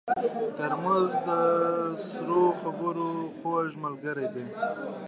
ترموز د سړو خبرو خوږ ملګری دی.